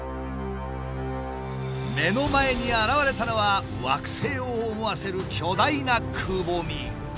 目の前に現れたのは惑星を思わせる巨大なくぼみ。